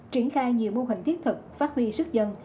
triển khai nhiều mô hình thiết thực phát huy sức dân